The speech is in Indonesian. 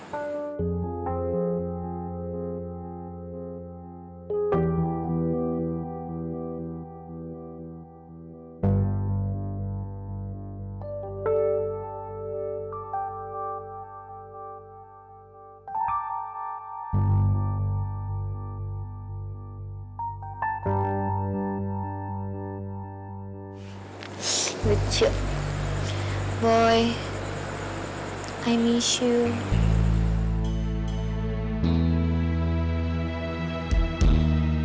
demi hartanya disini